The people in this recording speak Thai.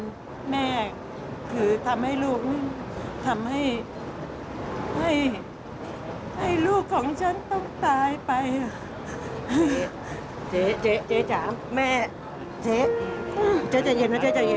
เจ๋จัยเย็นเคล้าท๋าน